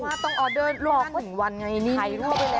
ว่าต้องออเดอร์รอ๑วันไง